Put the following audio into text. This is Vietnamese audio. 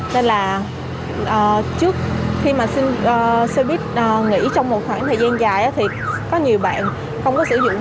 nên là trước khi mà xe buýt nghỉ trong một khoảng thời gian dài thì có nhiều bạn không có sử dụng